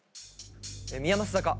宮益坂。